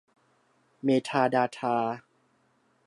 เมทาดาทา